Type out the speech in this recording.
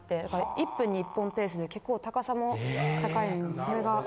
１分に１本ペースで結構高さも高いのでそれが。え！